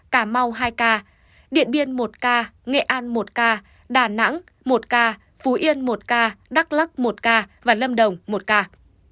cà mau hai ca điện biên một ca nghệ an một ca đà nẵng một ca phú yên một ca đắk lắc một ca và lâm đồng một ca